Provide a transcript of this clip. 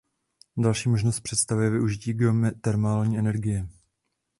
Další možnost představuje využití geotermální energie.